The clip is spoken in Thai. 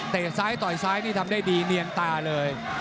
ซ้ายต่อยซ้ายนี่ทำได้ดีเนียนตาเลย